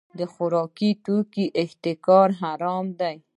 د خوراکي توکو احتکار حرام دی.